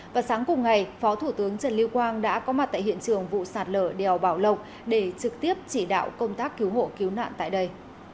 và sáng cùng ngày phó thủ tướng trần liêu quang đã có mặt tại hiện trường vụ sạt lở đèo bảo lộc để trực tiếp chỉ đạo công tác cứu hộ cứu nạn tại đây